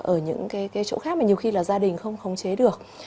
ở những cái chỗ khác mà nhiều khi là gia đình không khống chế được